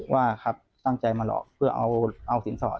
ว่าครับตั้งใจมาหลอกเพื่อเอาสินสอด